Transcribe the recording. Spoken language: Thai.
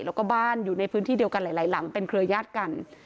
แล้วก็บ้านอยู่ในพื้นที่เดียวกันหลายหลังเป็นเครือญาติกัน